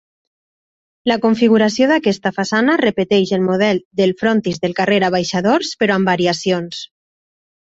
La configuració d'aquesta façana repeteix el model del frontis del carrer Abaixadors però amb variacions.